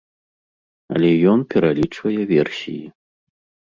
Але ён пералічвае версіі.